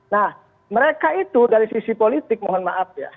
nah mereka itu dari sisi politik mohon maaf ya